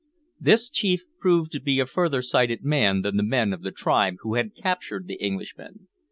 This chief proved to be a further sighted man than the men of the tribe who had captured the Englishmen.